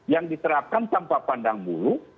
yang diterapkan tanpa pandang bulu